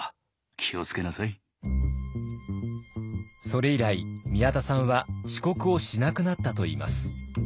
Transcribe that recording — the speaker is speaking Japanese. それ以来宮田さんは遅刻をしなくなったといいます。